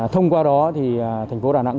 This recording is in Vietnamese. thông qua đó thì thành phố đà nẵng